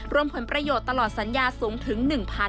รวมผลประโยชน์ตลอดสัญญาสูงถึง๑๐๐